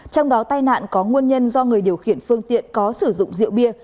trong đó tai nạn có nguồn nhân do người điều khiển phương tiện có sử dụng rượu bia